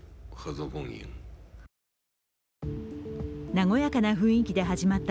和やかな雰囲気で始まった